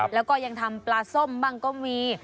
แล้วก็ยังทำปลาส้มบ้างก็มี